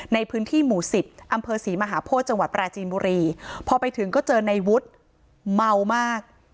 ในพื้นที่หมู่สิบอำเภอศรีมหาโพธิจังหวัดปราจีนบุรีพอไปถึงก็เจอในวุฒิเมามาก